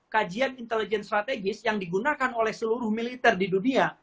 kajian intelijen strategis yang digunakan oleh seluruh militer di dunia